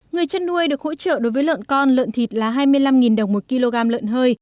người chăn nuôi được hỗ trợ đối với lợn con lợn thịt là hai mươi năm đồng một kg lợn hơi